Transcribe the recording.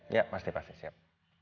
ya pasti pasti siap